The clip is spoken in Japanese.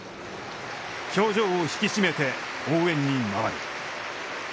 表情を引き締めて、応援に回る。